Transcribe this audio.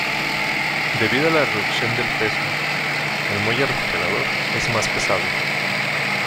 Debido a la reducción del peso, el muelle recuperador es más pesado.